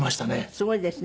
すごいですね。